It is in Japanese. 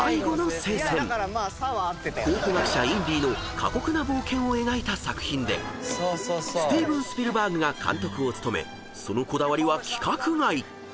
［考古学者インディの過酷な冒険を描いた作品でスティーブン・スピルバーグが監督を務めそのこだわりは規格外］